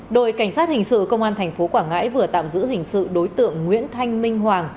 đội cảnh sát hình sự công an tp quảng ngãi vừa tạm giữ hình sự đối tượng nguyễn thanh minh hoàng